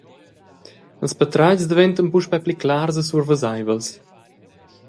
Ils patratgs daventan puspei pli clars e surveseivels.